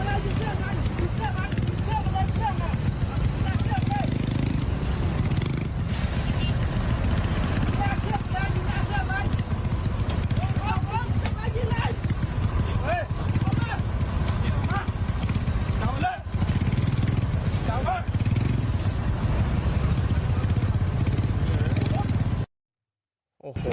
สวัสดีครับ